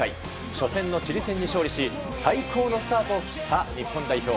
初戦のチリ戦に勝利し最高のスタートを切った日本代表。